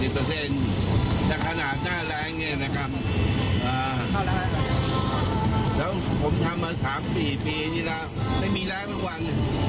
ผมทำมา๓๔ปีทีละไม่มีแล้วทุกวัน